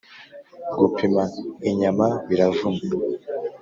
gupima inyama biravuna